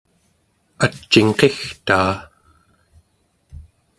ac'ingqigtaa